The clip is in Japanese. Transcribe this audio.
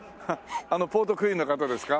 ポートクイーンの方ですか？